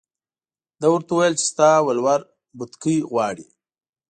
ده ورته وویل چې ستا ولور بتکۍ غواړي.